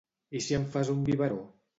I si em fas un biberó?